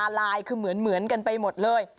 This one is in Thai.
แล้วหน้าตาลายคือเหมือนกันไปหมดเลย